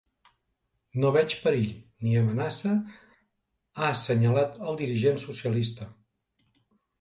No veig perill, ni amenaça, ha assenyalat el dirigent socialista.